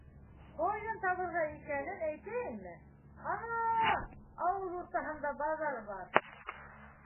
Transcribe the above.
Ҡайҙан табырға икәнен әйтәйемме? Ана, ауыл уртаһында баҙар бар.